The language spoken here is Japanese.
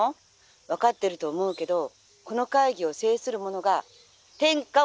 分かってると思うけどこの会議を制する者が天下を制するのよ！」。